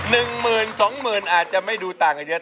หนึ่งหมื่นสองหมื่นอาจจะไม่ดูต่างกันเยอะ